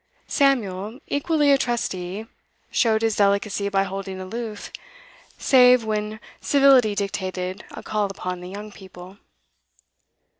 Samuel, equally a trustee, showed his delicacy by holding aloof save when civility dictated a call upon the young people.